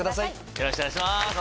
よろしくお願いします。